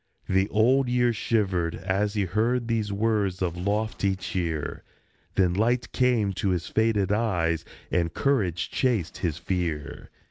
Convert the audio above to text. The Old Year shivered as he heard these words of lofty cheer ; Then light came to his faded eyes, and courage chased his fear.